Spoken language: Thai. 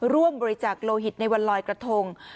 ร่วมบริจาคโลหิตในวันลอยกระทง